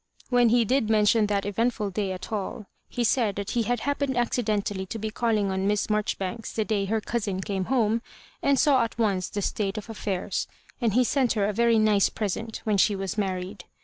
When he did men tion tliat eventful day at all, he said that he had happened accidentally to be calling on Miss Mar jori banks the day her cousin came home, and saw at once the state of affairs ; and he sent her a very nice present when she was married.